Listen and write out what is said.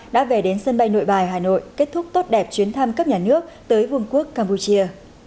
đã về đến sân bay nội bài hà nội kết thúc tốt đẹp chuyến thăm cấp nhà nước tới vương quốc campuchia